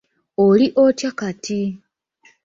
Oli otya kati?